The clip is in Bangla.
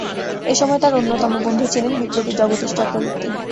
এসময় তার অন্যতম বন্ধু ছিলেন বিপ্লবী জগদীশ চক্রবর্তী।